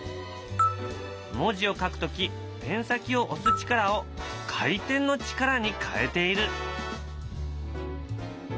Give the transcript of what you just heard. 文字を書く時ペン先を押す力を回転の力に変えている。